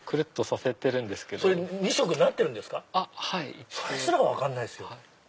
それすら分からないですよ。